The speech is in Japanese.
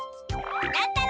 乱太郎。